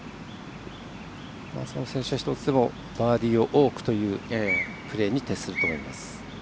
１つでもバーディーを多くというプレーに徹すると思います。